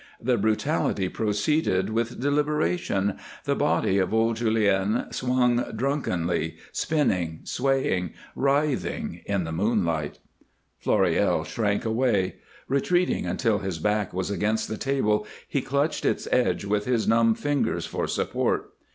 The brutality proceeded with deliberation, the body of old Julien swung drunkenly, spinning, swaying, writhing in the moonlight. Floréal shrank away. Retreating until his back was against the table, he clutched its edge with his numb fingers for support.